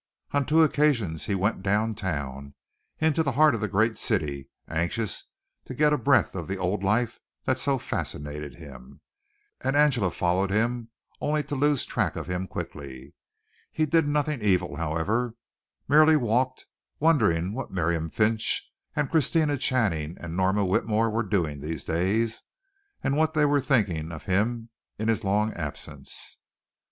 On two occasions he went downtown into the heart of the great city, anxious to get a breath of the old life that so fascinated him, and Angela followed him only to lose track of him quickly. He did nothing evil, however, merely walked, wondering what Miriam Finch and Christina Channing and Norma Whitmore were doing these days and what they were thinking of him in his long absence.